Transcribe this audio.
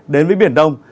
đến với biển đông